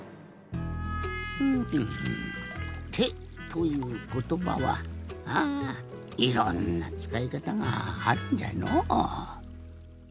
ふむてということばはああいろんなつかいかたがあるんじゃのう。